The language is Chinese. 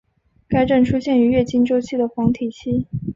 该症出现于月经周期的黄体期。